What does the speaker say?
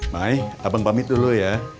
mai abang pamit dulu ya